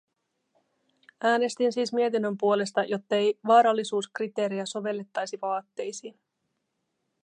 Äänestin siis mietinnön puolesta, jottei vaarallisuuskriteerejä sovellettaisi vaatteisiin.